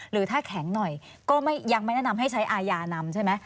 หรือถ้าแข็งหน่อยก็ยังไม่แนะนำให้ใช้อาญานำใช่ไหม